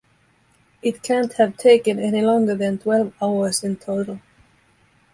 It can't have taken any longer than twelve hours in total.